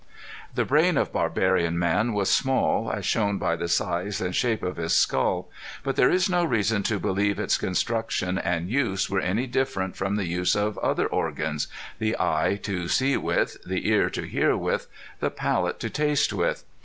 The brain of barbarian man was small, as shown by the size and shape of his skull, but there is no reason to believe its construction and use were any different from the use of other organs the eye to see with the ear to hear with the palate to taste with.